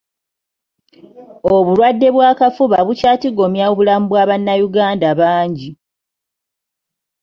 Obulwadde bw'akafuba bukyatigomya obulamu bwa bannayuganda bangi.